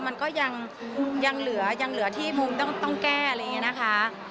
มันก็ยังเหลือยังเหลือที่มุมต้องแก้อะไรอย่างนี้นะคะ